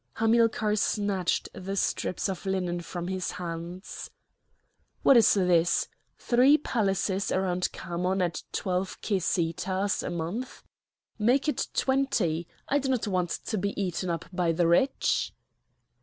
Hamilcar snatched the strips of linen from his hands. "What is this? three palaces around Khamon at twelve kesitahs a month! Make it twenty! I do not want to be eaten up by the rich."